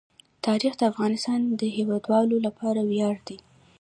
تاریخ د افغانستان د هیوادوالو لپاره ویاړ دی.